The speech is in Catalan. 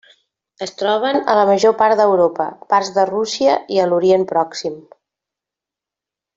Es troben a la major part d'Europa, parts de Rússia i a l'Orient pròxim.